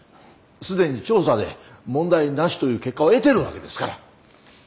既に調査で問題なしという結果を得てるわけですから。